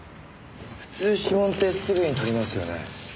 普通指紋ってすぐに採りますよね。